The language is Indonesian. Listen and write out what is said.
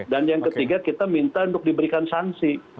dan yang ketiga kita minta untuk diberikan sanksi